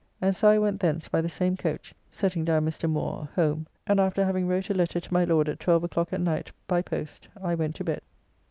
And so I went thence by the same coach (setting down Mr. Moore) home, and after having wrote a letter to my Lord at 12 o'clock at night by post I went to bed.